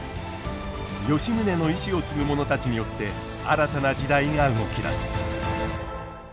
吉宗の遺志を継ぐ者たちによって新たな時代が動き出す。